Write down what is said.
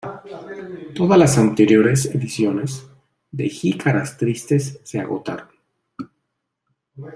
Todas las anteriores ediciones de Jicaras tristes se agotaron.